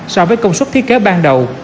so với công suất thiết kế ban đầu